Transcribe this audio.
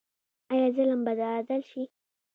آیا ظلم به عدل شي؟